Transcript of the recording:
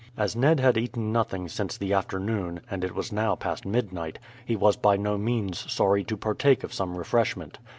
As Ned had eaten nothing since the afternoon, and it was now past midnight, he was by no means sorry to partake of some refreshment.